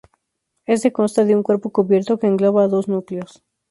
Éste consta de un cuerpo cubierto que engloba dos núcleos.